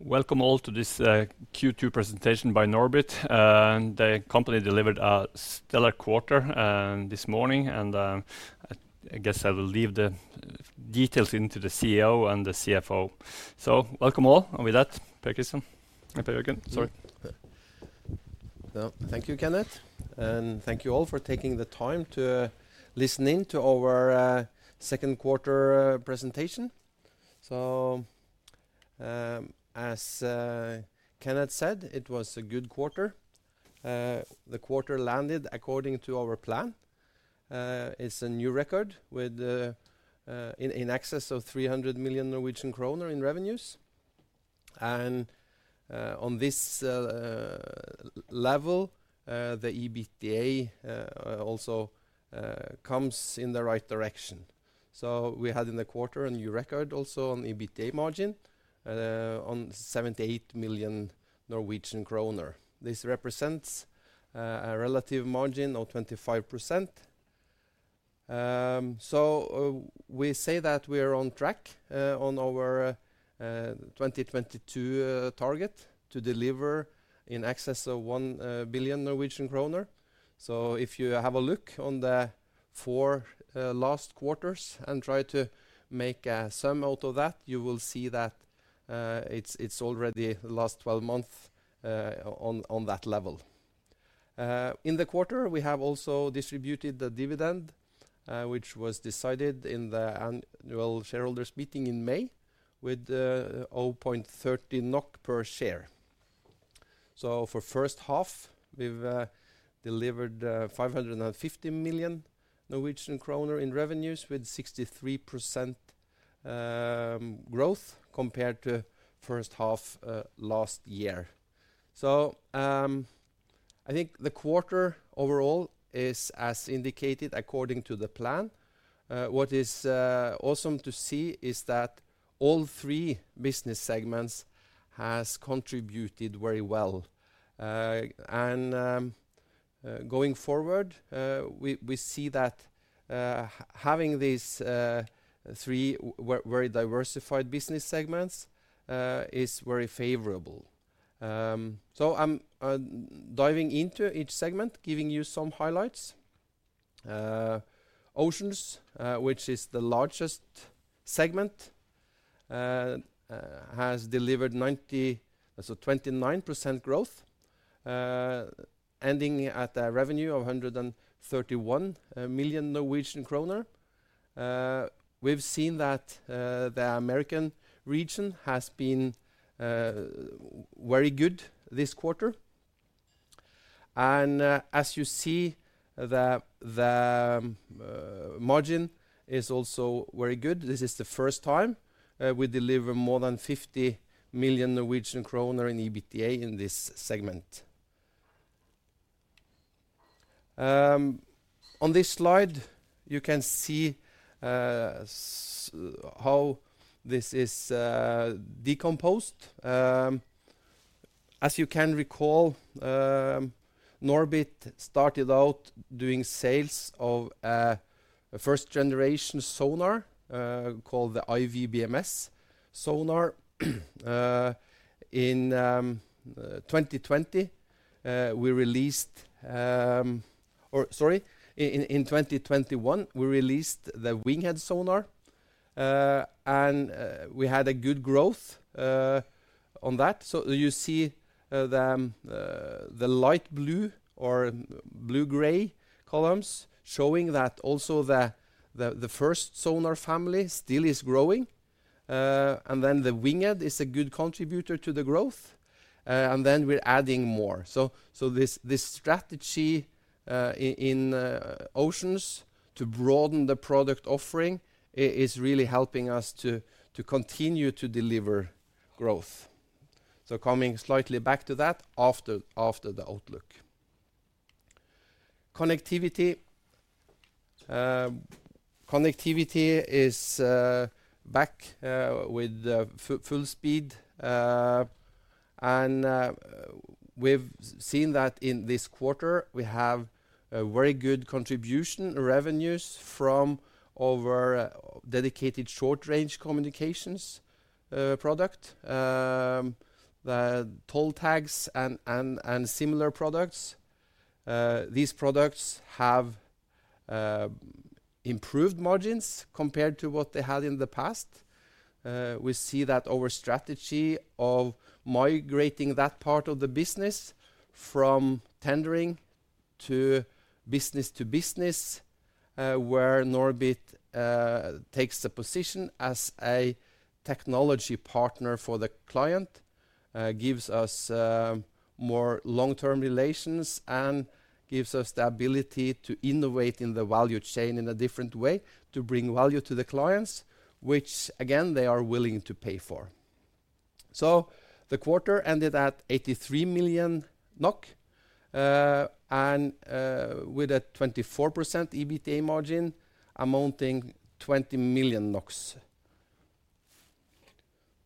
Welcome all to this Q2 Presentation by NORBIT. The company delivered a stellar quarter this morning. I guess I will leave the details to the CEO and the CFO. Welcome all. With that, Per Kristian. Per Jørgen, sorry. Well, thank you, Kenneth, and thank you all for taking the time to listen in to our second quarter presentation. As Kenneth said, it was a good quarter. The quarter landed according to our plan. It's a new record with in excess of 300 million Norwegian kroner in revenues. On this level, the EBITDA also comes in the right direction. We had in the quarter a new record also on EBITDA margin on 78 million Norwegian kroner. This represents a relative margin of 25%. We say that we are on track on our 2022 target to deliver in excess of 1 billion Norwegian kroner. If you have a look on the four last quarters and try to make a sum out of that, you will see that it's already the last 12 months on that level. In the quarter, we have also distributed the dividend, which was decided in the annual shareholders meeting in May with 0.30 NOK per share. For first half, we've delivered 550 million Norwegian kroner in revenues with 63% growth compared to first half last year. I think the quarter overall is as indicated according to the plan. What is awesome to see is that all three business segments has contributed very well. Going forward, we see that having these three very diversified business segments is very favorable. I'm diving into each segment, giving you some highlights. Oceans, which is the largest segment, has delivered 29% growth, ending at a revenue of 131 million Norwegian kroner. We've seen that the American region has been very good this quarter. As you see, the margin is also very good. This is the first time we deliver more than 50 million Norwegian kroner in EBITDA in this segment. On this slide, you can see how this is decomposed. As you can recall, NORBIT started out doing sales of a first generation sonar called the iWBMS sonar. In 2021, we released the WINGHEAD sonar, and we had a good growth on that. You see the light blue or blue-gray columns showing that also the first sonar family still is growing. The WINGHEAD is a good contributor to the growth. We're adding more. This strategy in Oceans to broaden the product offering is really helping us to continue to deliver growth. Coming slightly back to that after the outlook. Connectivity. Connectivity is back with full speed. We've seen that in this quarter, we have a very good contribution revenues from our dedicated short-range communications product, the toll tags and similar products. These products have improved margins compared to what they had in the past. We see that our strategy of migrating that part of the business from tendering to business to business, where NORBIT takes a position as a technology partner for the client, gives us more long-term relations and gives us the ability to innovate in the value chain in a different way to bring value to the clients, which again, they are willing to pay for. The quarter ended at 83 million NOK, and with a 24% EBITDA margin amounting NOK 20 million.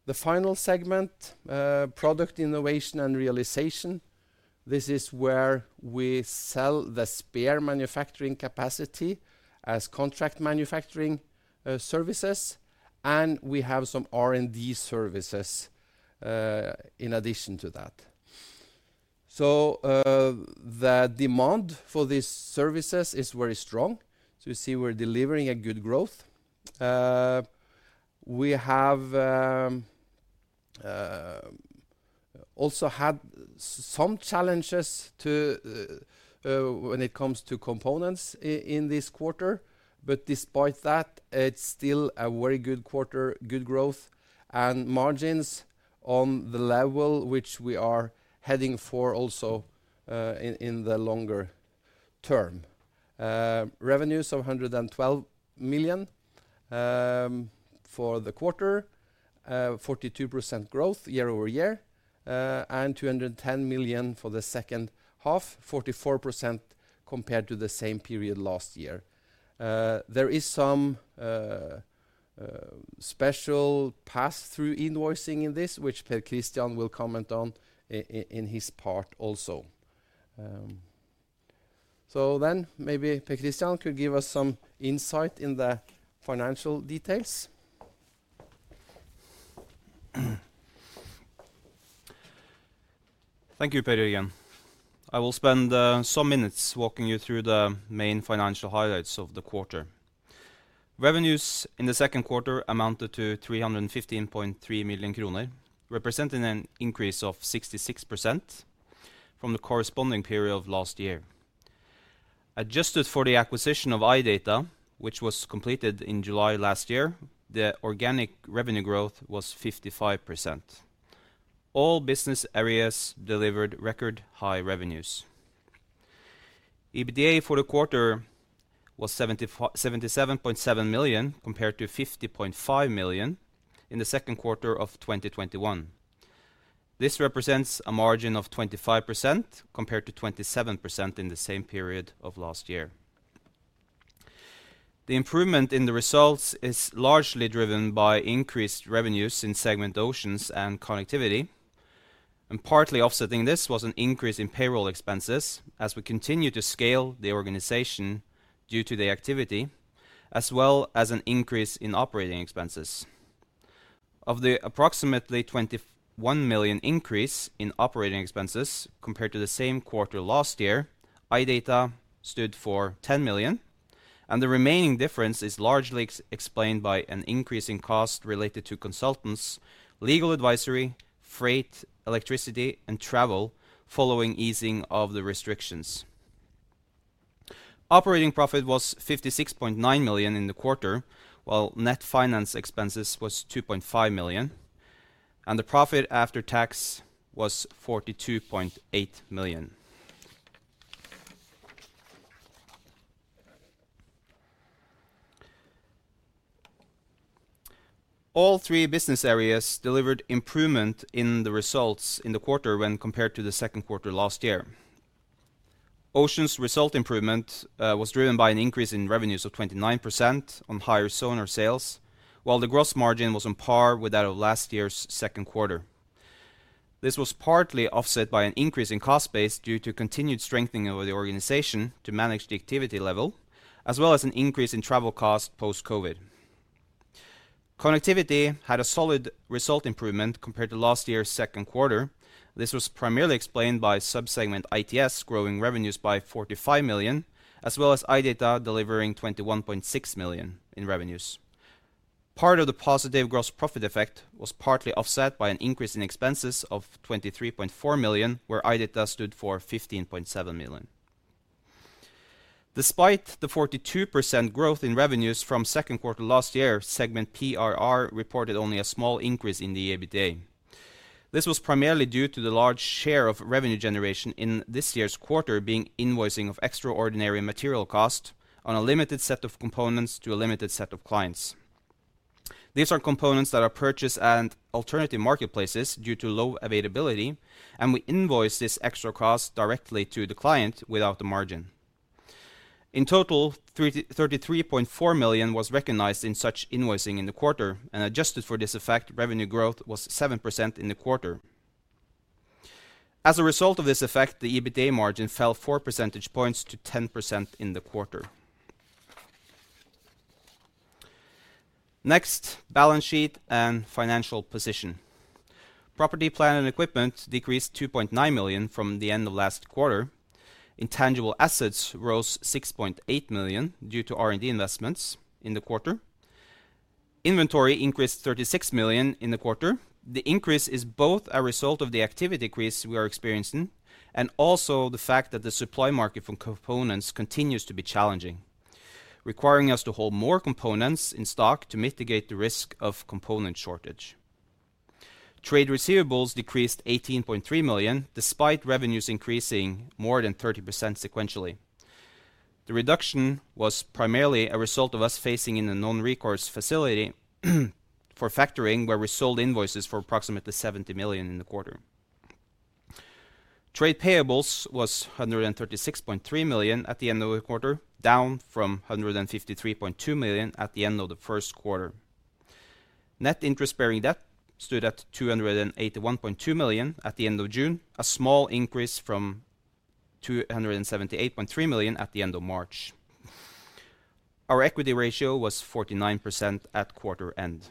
The final segment, Product Innovation & Realization. This is where we sell the spare manufacturing capacity as contract manufacturing services, and we have some R&D services in addition to that. The demand for these services is very strong. You see we're delivering a good growth. We have also had some challenges when it comes to components in this quarter, but despite that, it's still a very good quarter, good growth and margins on the level which we are heading for also in the longer term. Revenues of 112 million for the quarter, 42% growth year-over-year, and 210 million for the second half, 44% compared to the same period last year. There is some special pass-through invoicing in this, which Per Kristian will comment on in his part also. Maybe Per Kristian could give us some insight in the financial details. Thank you, Per Jorgen. I will spend some minutes walking you through the main financial highlights of the quarter. Revenues in the second quarter amounted to 315.3 million kroner, representing an increase of 66% from the corresponding period of last year. Adjusted for the acquisition of iData, which was completed in July last year, the organic revenue growth was 55%. All business areas delivered record high revenues. EBITDA for the quarter was 77.7 million compared to 50.5 million in the second quarter of 2021. This represents a margin of 25% compared to 27% in the same period of last year. The improvement in the results is largely driven by increased revenues in segment Oceans and Connectivity, and partly offsetting this was an increase in payroll expenses as we continue to scale the organization due to the activity, as well as an increase in operating expenses. Of the approximately 21 million increase in operating expenses compared to the same quarter last year, iData stood for 10 million, and the remaining difference is largely explained by an increase in cost related to consultants, legal advisory, freight, electricity and travel following easing of the restrictions. Operating profit was 56.9 million in the quarter, while net finance expenses was 2.5 million, and the profit after tax was 42.8 million. All three business areas delivered improvement in the results in the quarter when compared to the second quarter last year. Oceans result improvement was driven by an increase in revenues of 29% on higher sonar sales, while the gross margin was on par with that of last year's second quarter. This was partly offset by an increase in cost base due to continued strengthening of the organization to manage the activity level, as well as an increase in travel cost post-COVID. Connectivity had a solid result improvement compared to last year's second quarter. This was primarily explained by sub-segment ITS growing revenues by 45 million, as well as iData delivering 21.6 million in revenues. Part of the positive gross profit effect was partly offset by an increase in expenses of 23.4 million, where iData stood for 15.7 million. Despite the 42% growth in revenues from second quarter last year, segment PIR reported only a small increase in the EBITDA. This was primarily due to the large share of revenue generation in this year's quarter being invoicing of extraordinary material cost on a limited set of components to a limited set of clients. These are components that are purchased at alternative marketplaces due to low availability, and we invoice this extra cost directly to the client without the margin. In total, 33.4 million was recognized in such invoicing in the quarter. Adjusted for this effect, revenue growth was 7% in the quarter. As a result of this effect, the EBITDA margin fell four percentage points to 10% in the quarter. Next, balance sheet and financial position. Property, plant and equipment decreased 2.9 million from the end of last quarter. Intangible assets rose 6.8 million due to R&D investments in the quarter. Inventory increased 36 million in the quarter. The increase is both a result of the activity increase we are experiencing and also the fact that the supply market for components continues to be challenging, requiring us to hold more components in stock to mitigate the risk of component shortage. Trade receivables decreased 18.3 million, despite revenues increasing more than 30% sequentially. The reduction was primarily a result of us factoring in a non-recourse facility for factoring, where we sold invoices for approximately 70 million in the quarter. Trade payables was 136.3 million at the end of the quarter, down from 153.2 million at the end of the first quarter. Net interest-bearing debt stood at 281.2 million at the end of June, a small increase from 278.3 million at the end of March. Our equity ratio was 49% at quarter end.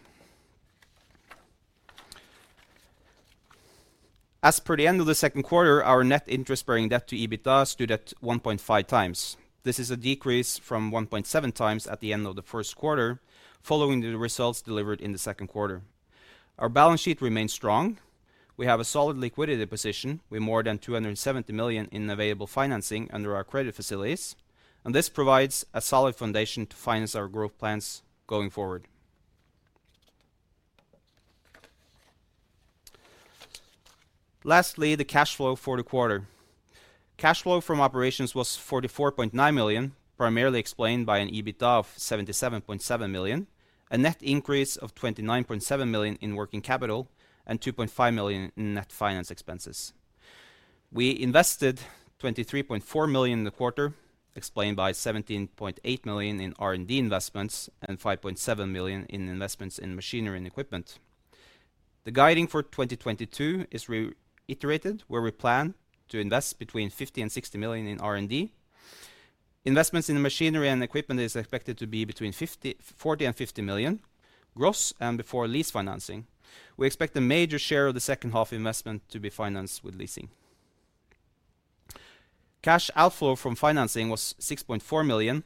As per the end of the second quarter, our net interest-bearing debt to EBITDA stood at 1.5 times. This is a decrease from 1.7 times at the end of the first quarter, following the results delivered in the second quarter. Our balance sheet remains strong. We have a solid liquidity position with more than 270 million in available financing under our credit facilities, and this provides a solid foundation to finance our growth plans going forward. Lastly, the cash flow for the quarter. Cash flow from operations was 44.9 million, primarily explained by an EBITDA of 77.7 million, a net increase of 29.7 million in working capital and 2.5 million in net finance expenses. We invested 23.4 million in the quarter, explained by 17.8 million in R&D investments and 5.7 million in investments in machinery and equipment. The guidance for 2022 is reiterated, where we plan to invest between 50 million and 60 million in R&D. Investments in the machinery and equipment is expected to be between 40 million and 50 million gross and before lease financing. We expect the major share of the second half investment to be financed with leasing. Cash outflow from financing was 6.4 million,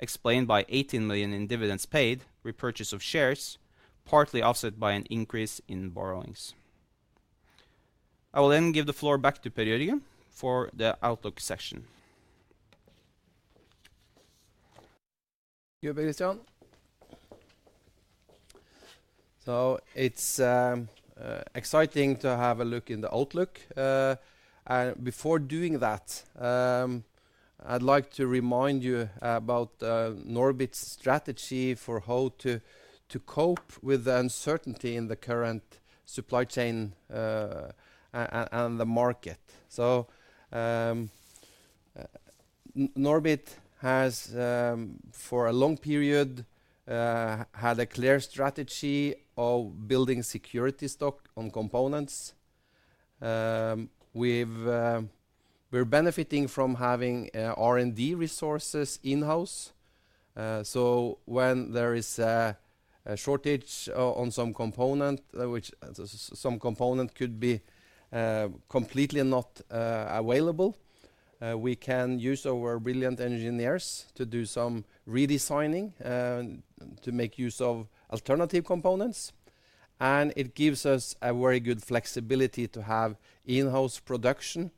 explained by 18 million in dividends paid, repurchase of shares, partly offset by an increase in borrowings. I will then give the floor back to PerJørgen for the outlook section. Thank you, Per Kristian. It's exciting to have a look in the outlook. Before doing that, I'd like to remind you about Norbit's strategy for how to cope with the uncertainty in the current supply chain and the market. Norbit has for a long period had a clear strategy of building security stock on components. We're benefiting from having R&D resources in-house. So when there is a shortage on some component, which some component could be completely not available, we can use our brilliant engineers to do some redesigning to make use of alternative components. It gives us a very good flexibility to have in-house production,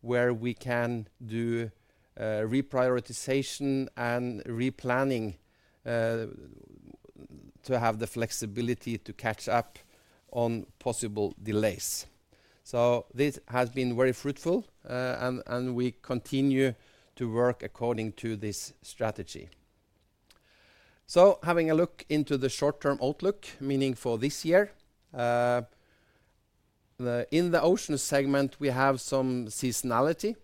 where we can do reprioritization and replanning to have the flexibility to catch up on possible delays. This has been very fruitful, and we continue to work according to this strategy. Having a look into the short-term outlook, meaning for this year, in the Oceans segment, we have some seasonality.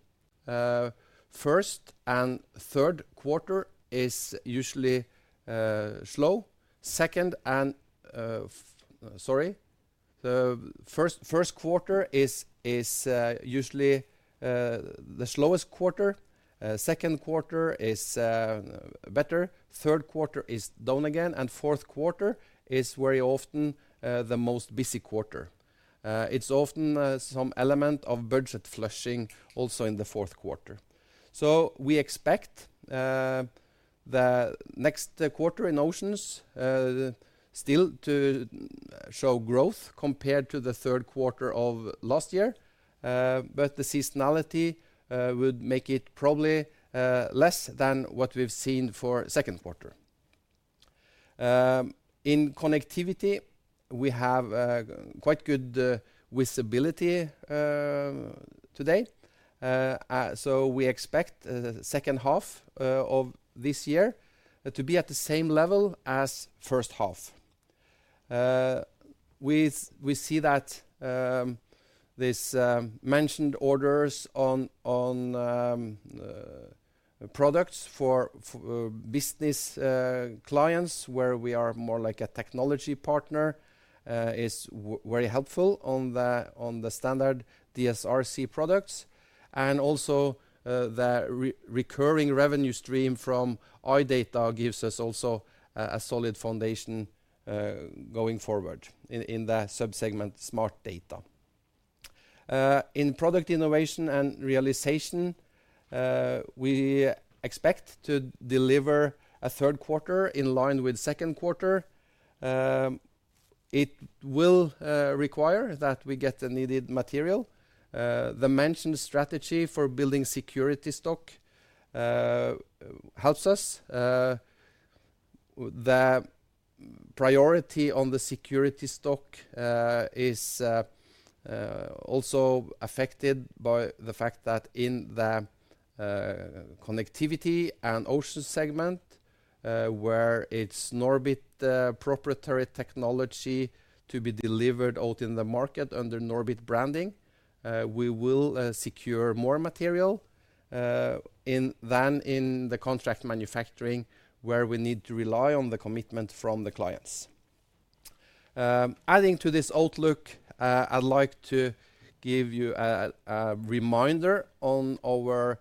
First and third quarter is usually slow. The first quarter is usually the slowest quarter. Second quarter is better, third quarter is down again, and fourth quarter is very often the most busy quarter. It's often some element of budget flushing also in the fourth quarter. We expect the next quarter in Oceans still to show growth compared to the third quarter of last year. But the seasonality would make it probably less than what we've seen for second quarter. In Connectivity, we have quite good visibility today. We expect the second half of this year to be at the same level as first half. We see that this mentioned orders on products for business clients where we are more like a technology partner is very helpful on the standard DSRC products. The recurring revenue stream from iData gives us a solid foundation going forward in the subsegment Smart Data. In Product Innovation and Realization, we expect to deliver a third quarter in line with second quarter. It will require that we get the needed material. The mentioned strategy for building security stock helps us. The priority on the security stock is also affected by the fact that in the Connectivity and Oceans segment, where it's Norbit proprietary technology to be delivered out in the market under Norbit branding, we will secure more materials in than in the contract manufacturing where we need to rely on the commitment from the clients. Adding to this outlook, I'd like to give you a reminder on our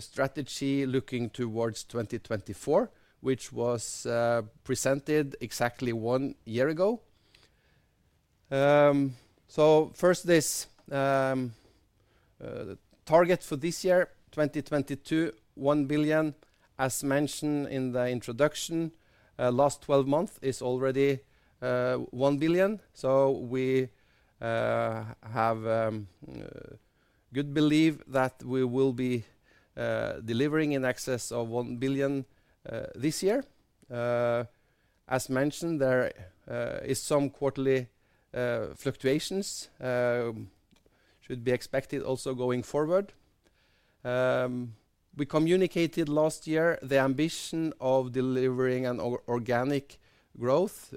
strategy looking towards 2024, which was presented exactly one year ago. First this target for this year, 2022, 1 billion as mentioned in the introduction. Last twelve months is already 1 billion. We have good belief that we will be delivering in excess of 1 billion this year. As mentioned, there is some quarterly fluctuations should be expected also going forward. We communicated last year the ambition of delivering an organic growth,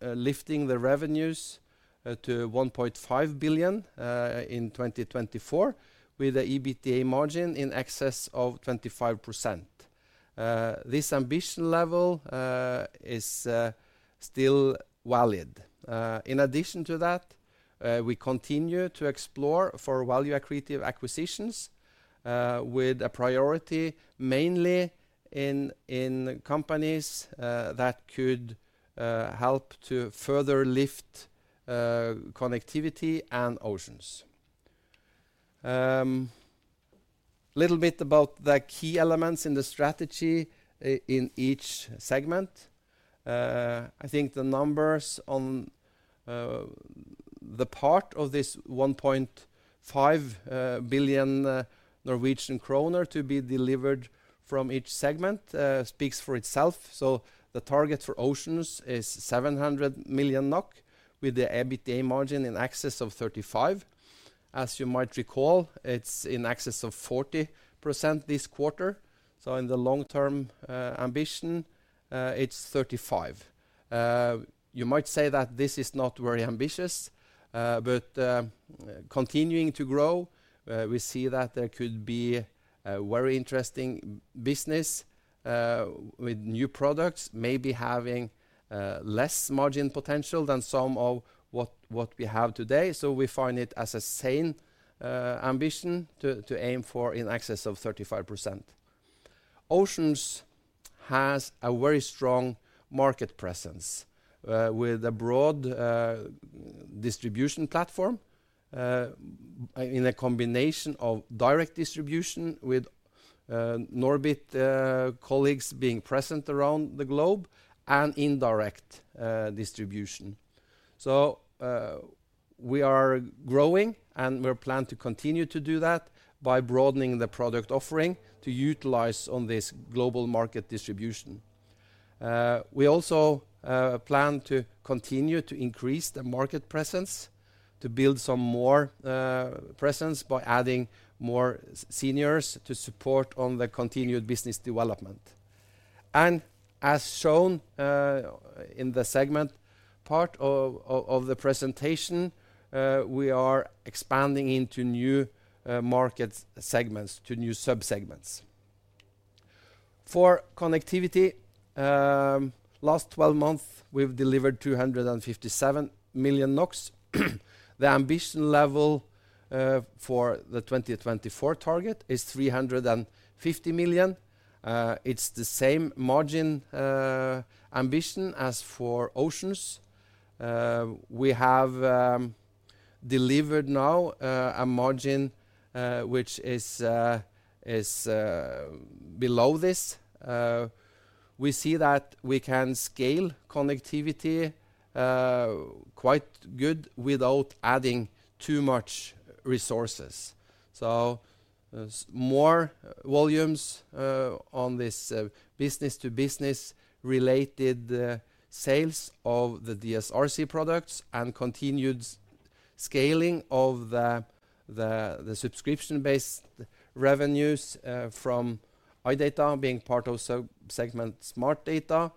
lifting the revenues to 1.5 billion in 2024, with an EBITDA margin in excess of 25%. This ambition level is still valid. In addition to that, we continue to explore for value-accretive acquisitions, with a priority mainly in companies that could help to further lift Connectivity and Oceans. Little bit about the key elements in the strategy in each segment. I think the numbers on the part of this 1.5 billion Norwegian kroner to be delivered from each segment speaks for itself. The target for Oceans is 700 million NOK with the EBITDA margin in excess of 35%. As you might recall, it's in excess of 40% this quarter. In the long term ambition, it's 35%. You might say that this is not very ambitious, but continuing to grow, we see that there could be a very interesting business, with new products, maybe having less margin potential than some of what we have today. We find it as a sane ambition to aim for in excess of 35%. Oceans has a very strong market presence, with a broad distribution platform, in a combination of direct distribution with Norbit colleagues being present around the globe and indirect distribution. We are growing, and we're planned to continue to do that by broadening the product offering to utilize on this global market distribution. We also plan to continue to increase the market presence to build some more presence by adding more seniors to support on the continued business development. As shown in the segment part of the presentation, we are expanding into new market segments to new subsegments. For Connectivity, last 12 months, we've delivered 257 million NOK. The ambition level for the 2024 target is 350 million. It's the same margin ambition as for Oceans. We have delivered now a margin which is below this. We see that we can scale Connectivity quite good without adding too much resources. More volumes on this business-to-business related sales of the DSRC products and continued scaling of the subscription-based revenues from iData being part of subsegment Smart Data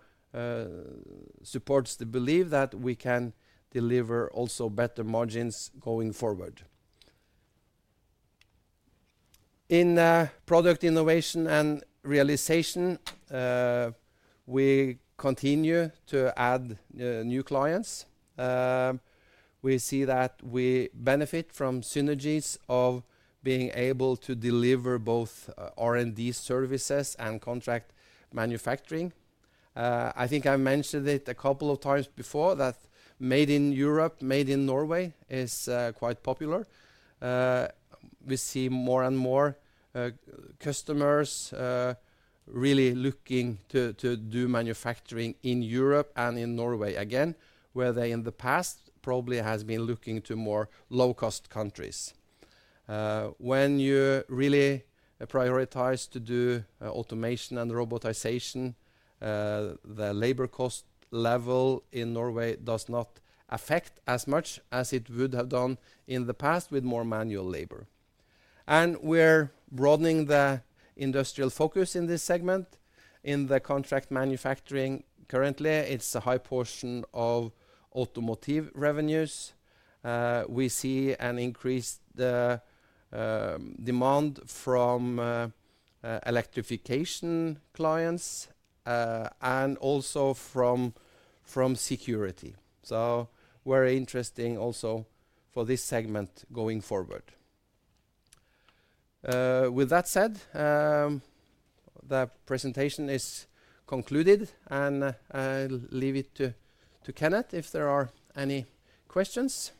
supports the belief that we can deliver also better margins going forward. In Product Innovation and Realization, we continue to add new clients. We see that we benefit from synergies of being able to deliver both R&D services and contract manufacturing. I think I mentioned it a couple of times before that made in Europe, made in Norway is quite popular. We see more and more customers really looking to do manufacturing in Europe and in Norway again, where they in the past probably has been looking to more low-cost countries. When you really prioritize to do automation and robotization, the labor cost level in Norway does not affect as much as it would have done in the past with more manual labor. We're broadening the industrial focus in this segment. In the contract manufacturing currently, it's a high portion of automotive revenues. We see an increased demand from electrification clients and also from security. Very interesting also for this segment going forward. With that said, the presentation is concluded, and I'll leave it to Kenneth if there are any questions.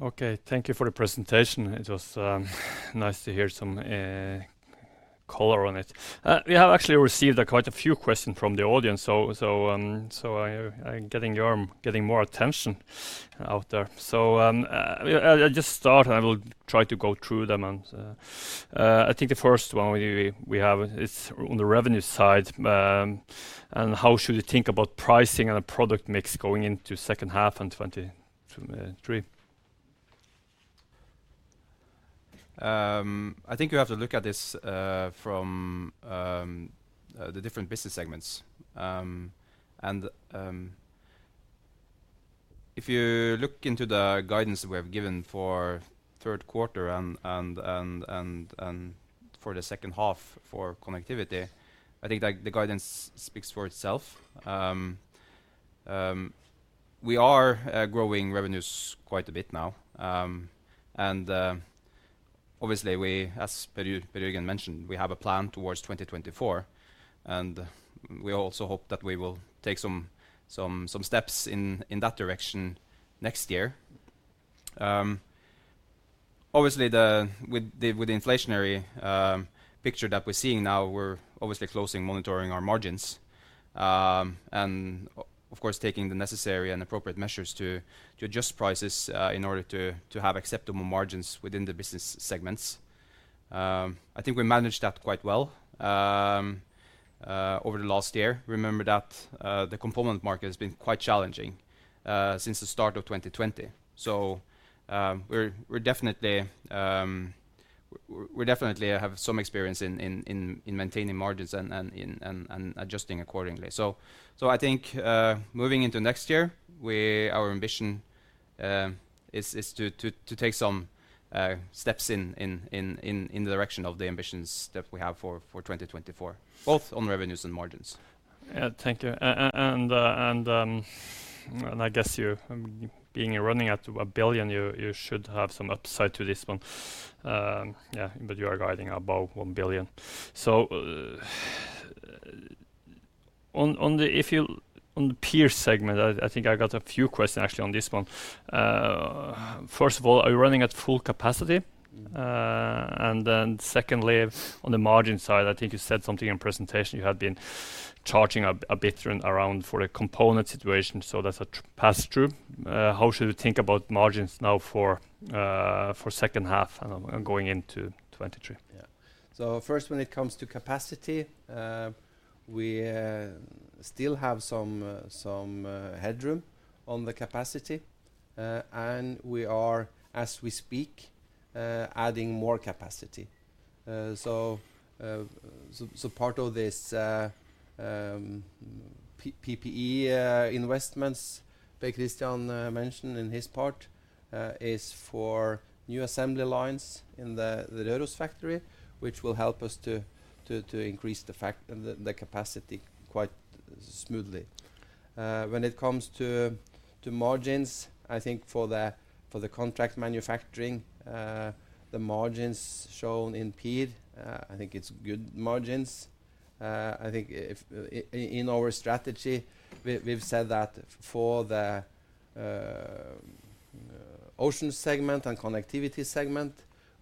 Okay. Thank you for the presentation. It was nice to hear some color on it. We have actually received quite a few questions from the audience, so you're getting more attention out there. I'll just start, and I will try to go through them. I think the first one we have is on the revenue side, and how should we think about pricing and the product mix going into second half in 2023? I think you have to look at this from the different business segments. If you look into the guidance we have given for third quarter and for the second half for Connectivity, I think the guidance speaks for itself. We are growing revenues quite a bit now. Obviously, we, as PerJørgen mentioned, have a plan towards 2024, and we also hope that we will take some steps in that direction next year. Obviously, with the inflationary picture that we're seeing now, we're obviously closely monitoring our margins, and of course, taking the necessary and appropriate measures to adjust prices in order to have acceptable margins within the business segments. I think we managed that quite well over the last year. Remember that the component market has been quite challenging since the start of 2020. We definitely have some experience in maintaining margins and in adjusting accordingly. I think moving into next year, our ambition is to take some steps in the direction of the ambitions that we have for 2024, both on revenues and margins. Yeah. Thank you. I guess, given you're running at 1 billion, you should have some upside to this one. Yeah, but you are guiding above 1 billion. On the PIR segment, I think I got a few questions actually on this one. First of all, are you running at full capacity? And then secondly, on the margin side, I think you said something in presentation you had been charging a bit more for the component situation, so that's a pass-through. How should we think about margins now for second half and going into 2023? First, when it comes to capacity, we still have some headroom on the capacity, and we are, as we speak, adding more capacity. Part of this PPE investments Per Kristian mentioned in his part is for new assembly lines in the Røros factory, which will help us to increase the capacity quite smoothly. When it comes to margins, I think for the contract manufacturing, the margins shown in PIR, I think it's good margins. In our strategy, we've said that for the Oceans segment and Connectivity segment,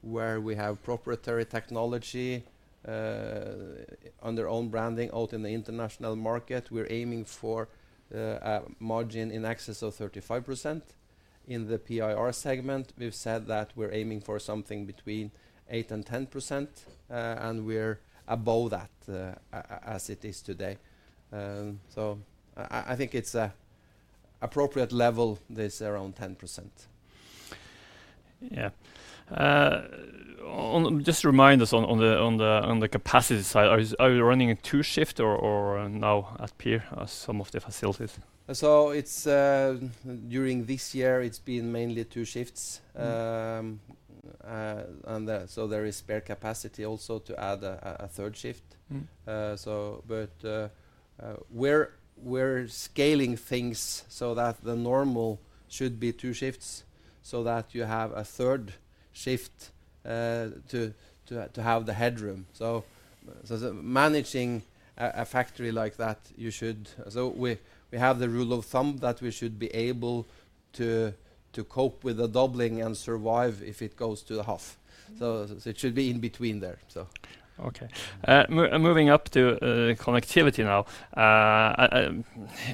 where we have proprietary technology under own branding out in the international market, we're aiming for a margin in excess of 35%. In the PIR segment, we've said that we're aiming for something between 8% and 10%, and we're above that as it is today. I think it's an appropriate level, this around 10%. Yeah. Just remind us on the capacity side. Are you running a two shift or now at PIR some of the facilities? It's during this year, it's been mainly two shifts. There is spare capacity also to add a third shift. Mm. We're scaling things so that the normal should be two shifts so that you have a third shift to have the headroom. Managing a factory like that, you should. We have the rule of thumb that we should be able to cope with the doubling and survive if it goes to half. It should be in between there. Moving up to Connectivity now.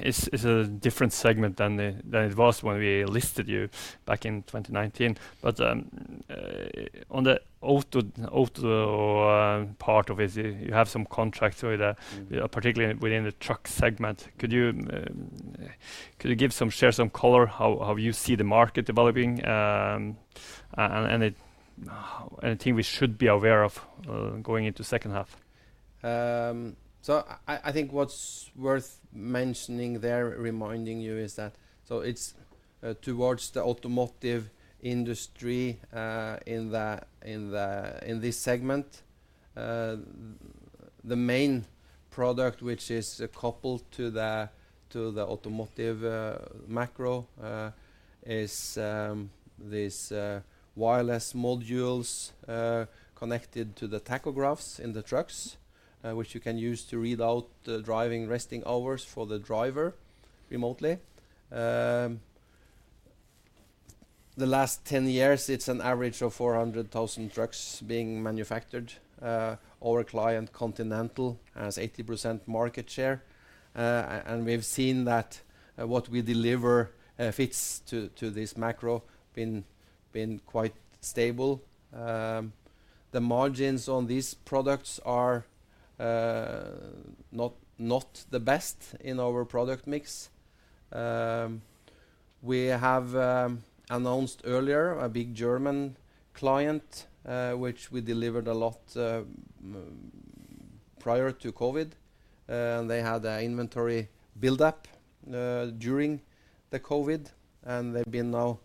It's a different segment than it was when we listed you back in 2019. On the auto part of it, you have some contracts with a- Mm-hmm... particularly within the truck segment. Could you share some color on how you see the market developing, and anything we should be aware of going into second half? I think what's worth mentioning there, reminding you, is that it's towards the automotive industry in this segment. The main product which is coupled to the automotive macro is these wireless modules connected to the tachographs in the trucks which you can use to read out the driving resting hours for the driver remotely. The last 10 years, it's an average of 400,000 trucks being manufactured. Our client, Continental, has 80% market share. We've seen that what we deliver fits to this macro been quite stable. The margins on these products are not the best in our product mix. We have announced earlier a big German client, which we delivered a lot, prior to COVID. They had an inventory build-up during the COVID, and they've been now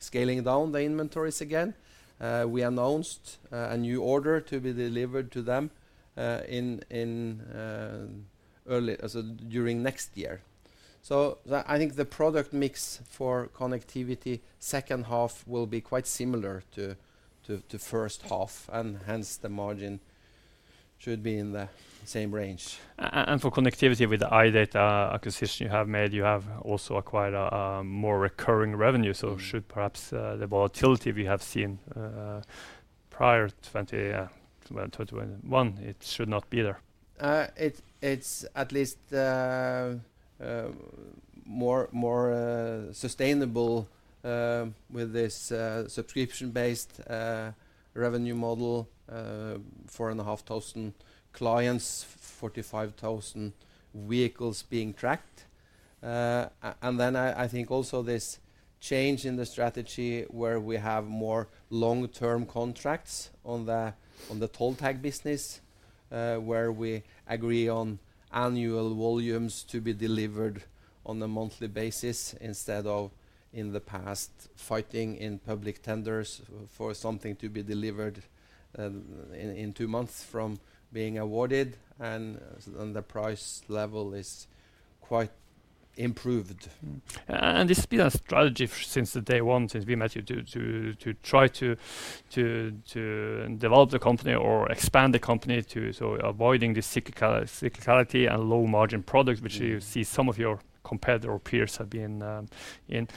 scaling down the inventories again. We announced a new order to be delivered to them during next year. I think the product mix for Connectivity second half will be quite similar to first half, and hence, the margin should be in the same range. For connectivity with the iData acquisition you have made, you have also acquired a more recurring revenue. Should perhaps the volatility we have seen prior to 2021, it should not be there. It's at least more sustainable with this subscription-based revenue model. 4,500 clients, 45,000 vehicles being tracked. I think also this change in the strategy where we have more long-term contracts on the toll tags business, where we agree on annual volumes to be delivered on a monthly basis instead of, in the past, fighting in public tenders for something to be delivered in two months from being awarded and the price level is quite improved. This has been a strategy since day one, since we met you, to try to develop the company or expand the company. Avoiding this cyclicality and low margin products. Mm-hmm which you see some of your competitor or peers have been in.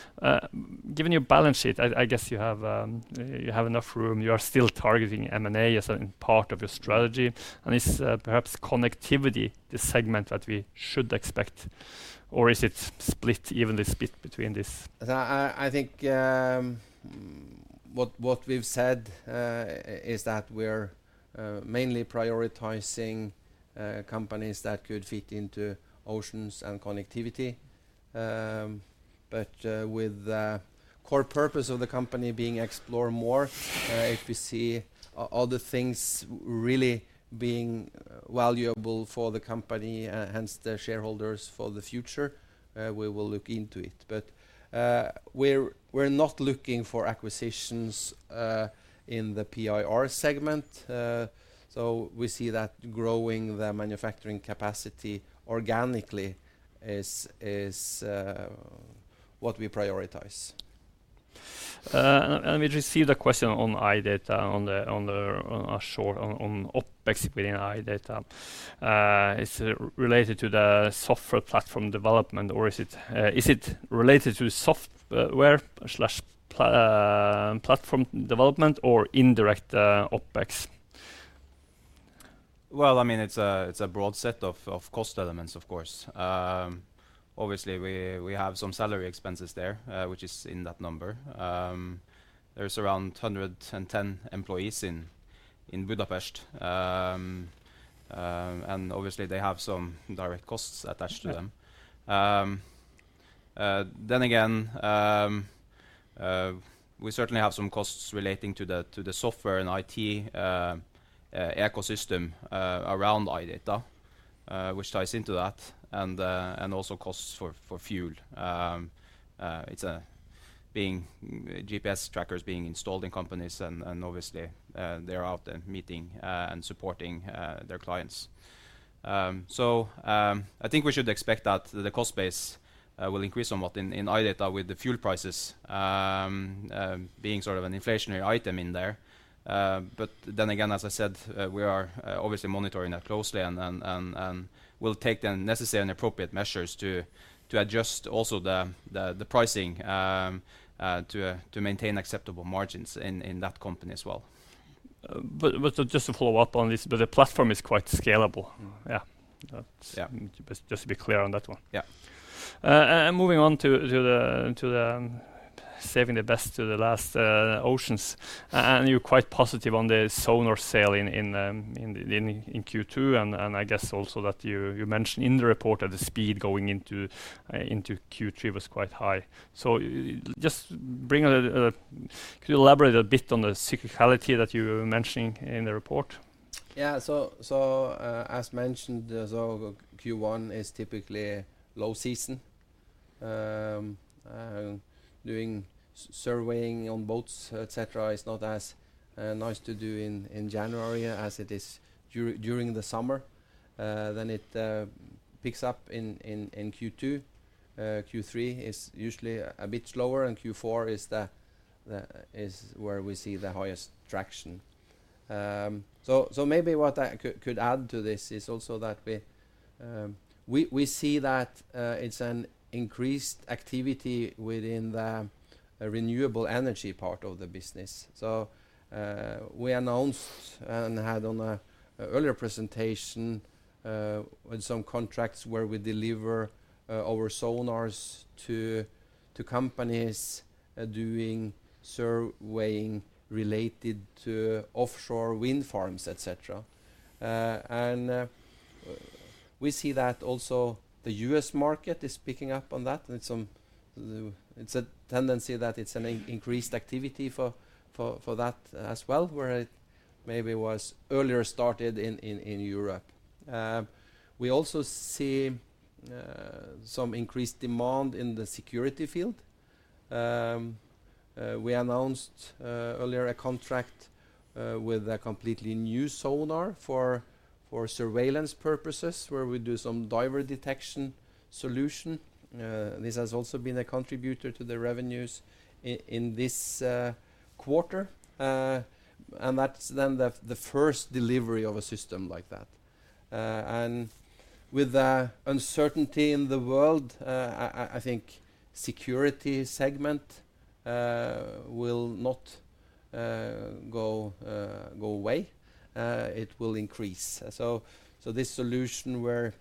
Given your balance sheet, I guess you have enough room. You are still targeting M&A as a part of your strategy. Is perhaps Connectivity the segment that we should expect? Or is it split, evenly split between this? I think what we've said is that we're mainly prioritizing companies that could fit into Oceans and Connectivity. With the core purpose of the company being Explore More, if we see all the things really being valuable for the company, hence the shareholders for the future, we will look into it. We're not looking for acquisitions in the PIR segment. We see that growing the manufacturing capacity organically is what we prioritize. We just received a question on iData on our core OpEx within iData. It's related to the software platform development, or is it related to software platform development or indirect OpEx? Well, I mean, it's a broad set of cost elements, of course. Obviously, we have some salary expenses there, which is in that number. There's around 110 employees in Budapest. Obviously, they have some direct costs attached to them. Yeah. We certainly have some costs relating to the software and IT ecosystem around iData, which ties into that, and also costs for fuel. It's about GPS trackers being installed in companies and obviously they're out and meeting and supporting their clients. I think we should expect that the cost base will increase somewhat in iData with the fuel prices being sort of an inflationary item in there. As I said, we are obviously monitoring that closely and will take the necessary and appropriate measures to adjust also the pricing to maintain acceptable margins in that company as well. Just to follow up on this, but the platform is quite scalable. Mm-hmm. Yeah. Yeah Just to be clear on that one. Yeah. Moving on to saving the best for last, Oceans. Yeah. You're quite positive on the sonar sale in Q2, and I guess also that you mentioned in the report that the speed going into Q3 was quite high. Could you elaborate a bit on the cyclicality that you were mentioning in the report? As mentioned, Q1 is typically low season. Doing surveying on boats, et cetera, is not as nice to do in January as it is during the summer. It picks up in Q2. Q3 is usually a bit slower, and Q4 is where we see the highest traction. Maybe what I could add to this is also that we see that it's an increased activity within the renewable energy part of the business. We announced and had in an earlier presentation on some contracts where we deliver our sonars to companies doing surveying related to offshore wind farms, et cetera. We see that also the U.S. market is picking up on that with some. It's a tendency that it's an increased activity for that as well, where it maybe was earlier started in Europe. We also see some increased demand in the security field. We announced earlier a contract with a completely new sonar for surveillance purposes, where we do some diver detection solution. This has also been a contributor to the revenues in this quarter. That's then the first delivery of a system like that. With the uncertainty in the world, I think security segment will not go away. It will increase. This solution we're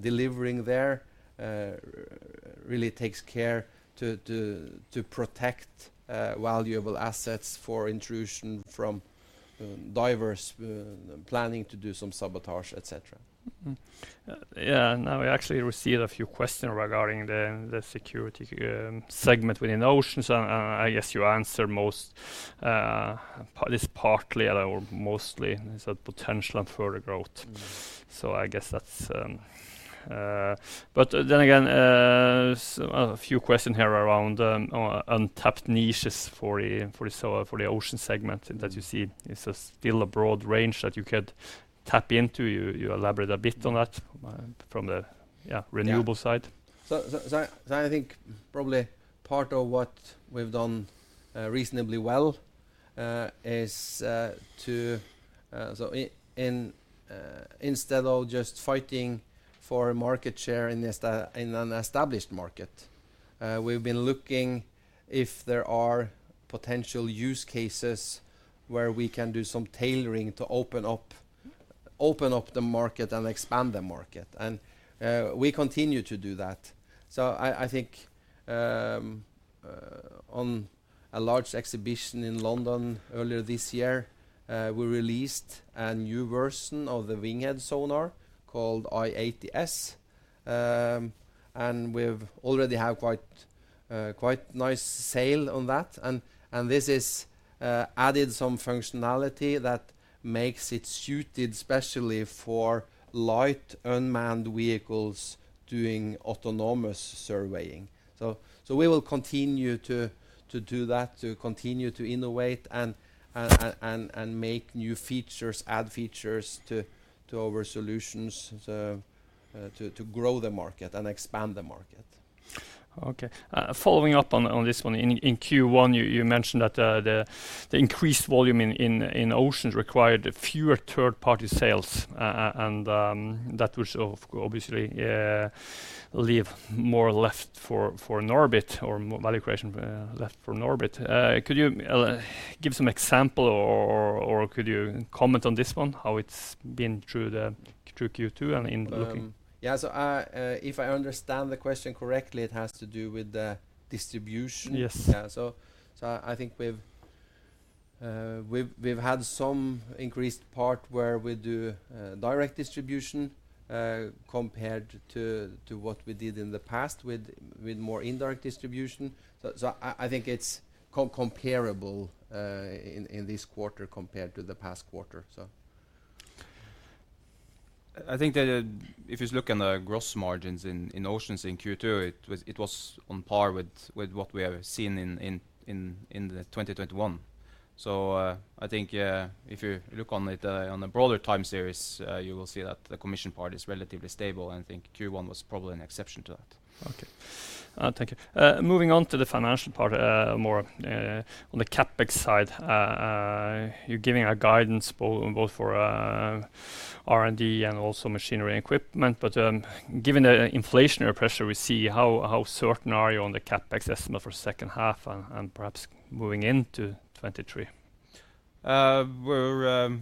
delivering there really takes care to protect valuable assets from intrusion from divers planning to do some sabotage, et cetera. Mm-hmm. Yeah. No, we actually received a few questions regarding the security segment within Oceans. I guess you answered most, at least partly or mostly. There's a potential of further growth. Mm-hmm. I guess that's a few questions here around untapped niches for the Oceans segment that you see is still a broad range that you could tap into. You elaborate a bit on that. Yeah renewable side. I think probably part of what we've done reasonably well is to instead of just fighting for market share in an established market, we've been looking if there are potential use cases where we can do some tailoring to open up the market and expand the market. We continue to do that. I think on a large exhibition in London earlier this year, we released a new version of the WINGHEAD sonar called WINGHEAD i80S. We've already have quite nice sale on that. This is added some functionality that makes it suited especially for light unmanned vehicles doing autonomous surveying. We will continue to do that, to continue to innovate and make new features, add features to our solutions, to grow the market and expand the market. Okay. Following up on this one. In Q1, you mentioned that the increased volume in Oceans required fewer third-party sales. That would obviously leave more left for Norbit or more value creation left for Norbit. Could you give some example or could you comment on this one, how it's been through Q2 and in looking- Yeah, if I understand the question correctly, it has to do with the distribution? Yes. I think we've had some increased part where we do direct distribution compared to what we did in the past with more indirect distribution. I think it's comparable in this quarter compared to the past quarter. I think that if you look on the gross margins in Oceans in Q2, it was on par with what we have seen in 2021. I think, yeah, if you look on it on a broader time series, you will see that the commission part is relatively stable, and I think Q1 was probably an exception to that. Okay. Thank you. Moving on to the financial part, more on the CapEx side. You're giving a guidance both for R&D and also machinery and equipment. Given the inflationary pressure we see, how certain are you on the CapEx estimate for second half and perhaps moving into 2023? We're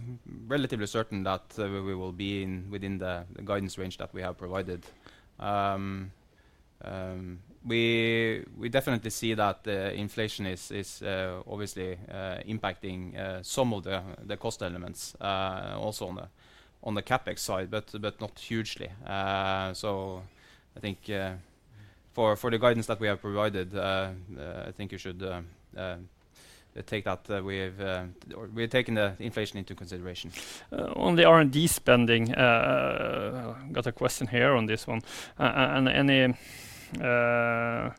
relatively certain that we will be within the guidance range that we have provided. We definitely see that the inflation is obviously impacting some of the cost elements also on the CapEx side but not hugely. I think for the guidance that we have provided, I think you should take that. We're taking the inflation into consideration. On the R&D spending, got a question here on this one. What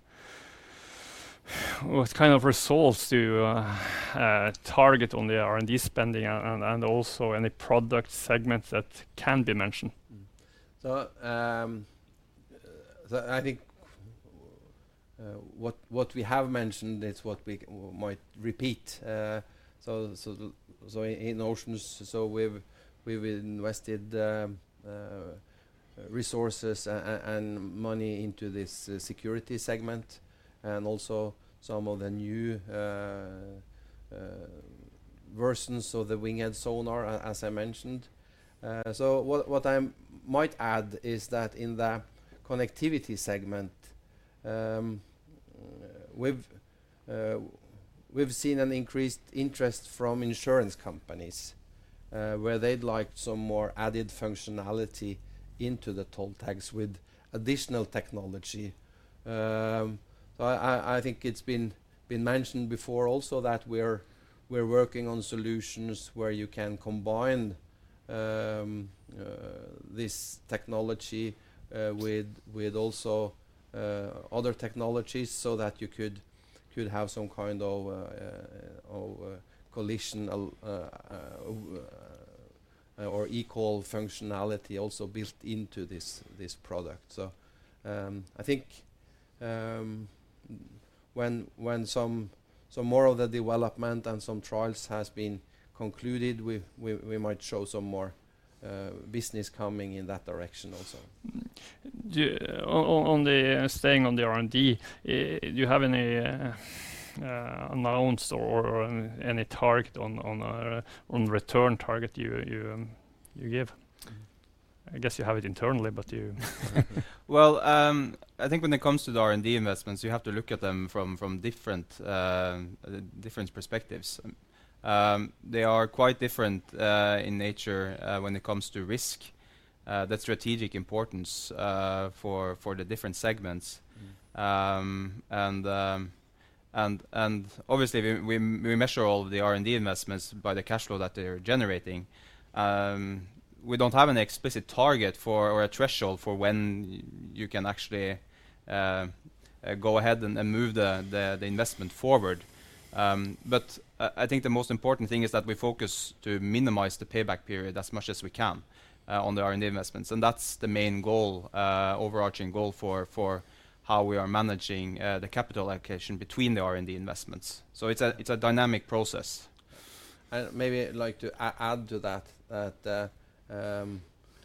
kind of resource do you target on the R&D spending and also any product segments that can be mentioned? I think what we have mentioned is what we might repeat. In Oceans, we've invested resources and money into this security segment and also some of the new versions of the WINGHEAD sonar as I mentioned. What I might add is that in the Connectivity segment, we've seen an increased interest from insurance companies, where they'd like some more added functionality into the toll tags with additional technology. I think it's been mentioned before also that we're working on solutions where you can combine this technology with also other technologies so that you could have some kind of collision or equal functionality also built into this product. I think when some more of the development and some trials has been concluded, we might show some more business coming in that direction also. Staying on the R&D, do you have any amounts or any target on return target you give? I guess you have it internally, but you- Well, I think when it comes to the R&D investments, you have to look at them from different perspectives. They are quite different in nature when it comes to risk, the strategic importance for the different segments. Obviously, we measure all the R&D investments by the cash flow that they're generating. We don't have an explicit target or a threshold for when you can actually go ahead and move the investment forward. I think the most important thing is that we focus to minimize the payback period as much as we can on the R&D investments, and that's the main goal, overarching goal for how we are managing the capital allocation between the R&D investments. It's a dynamic process. Maybe I'd like to add to that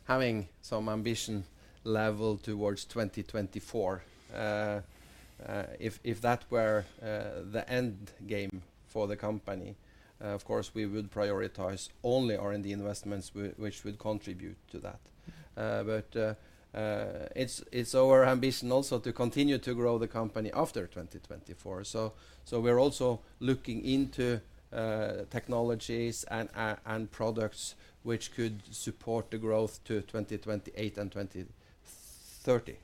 having some ambition level toward 2024, if that were the end game for the company, of course we would prioritize only R&D investments which would contribute to that. It's our ambition also to continue to grow the company after 2024. We're also looking into technologies and products which could support the growth to 2028 and 2030.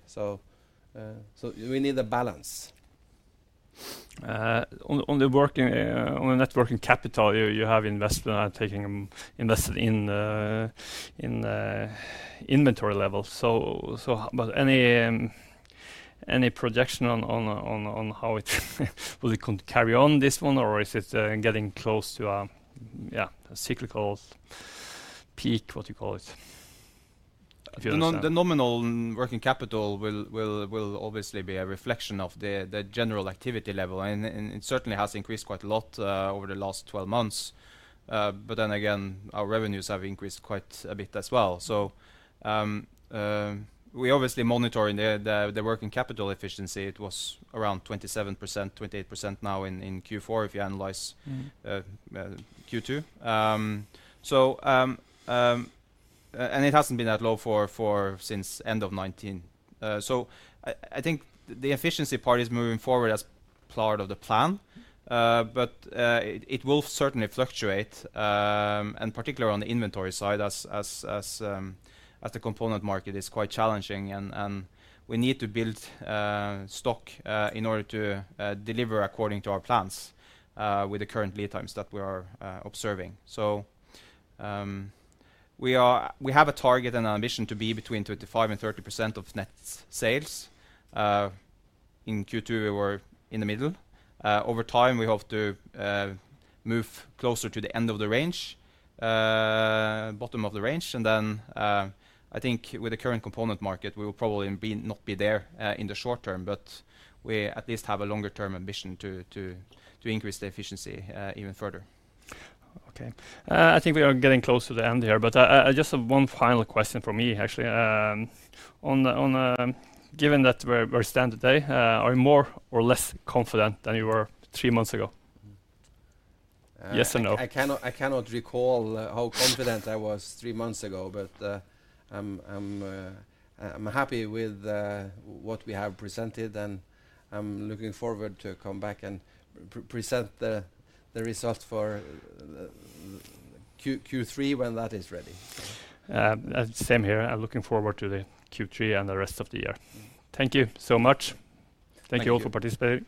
We need a balance. On the net working capital, you have investments in inventory levels. Any projection on how it will carry on this one, or is it getting close to a cyclical peak, what you call it? If you understand. The nominal working capital will obviously be a reflection of the general activity level and it certainly has increased quite a lot over the last twelve months. Our revenues have increased quite a bit as well. We obviously monitoring the working capital efficiency. It was around 27%, 28% now in Q4, if you analyze. Mm. Q2. It hasn't been that low since end of 2019. I think the efficiency part is moving forward as part of the plan. It will certainly fluctuate and particularly on the inventory side as the component market is quite challenging and we need to build stock in order to deliver according to our plans with the current lead times that we are observing. We have a target and an ambition to be between 25% and 30% of net sales. In Q2, we were in the middle. Over time, we hope to move closer to the bottom of the range. I think with the current component market, we will probably not be there in the short term, but we at least have a longer-term ambition to increase the efficiency even further. Okay. I think we are getting close to the end here, but I just have one final question from me, actually. Given where we stand today, are you more or less confident than you were three months ago? Yes or no? I cannot recall how confident I was three months ago, but I'm happy with what we have presented, and I'm looking forward to come back and present the results for Q3 when that is ready. Same here. I'm looking forward to the Q3 and the rest of the year. Thank you so much. Thank you. Thank you all for participating.